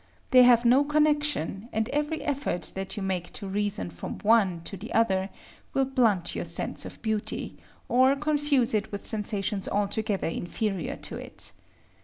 They have no connection; and every effort that you make to reason from one to the other will blunt your sense of beauty, or confuse it with sensations altogether inferior to it.